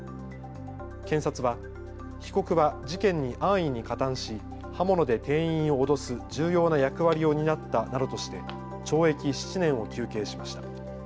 検察は被告は事件に安易に加担し刃物で店員を脅す重要な役割を担ったなどとして懲役７年を求刑しました。